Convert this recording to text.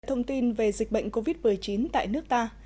thông tin về dịch bệnh covid một mươi chín tại nước ta